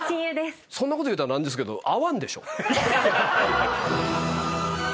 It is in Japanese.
そんなこと言うたら何ですけど。